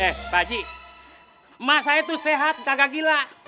eh pak ji emak saya tuh sehat jaga gila